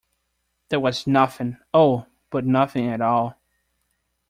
That was nothing — oh, but nothing at all.